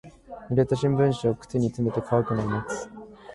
濡れた新聞紙を靴に詰めて乾くのを待つ。